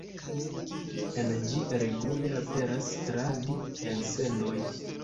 En ĝi regule aperas radi-elsendoj.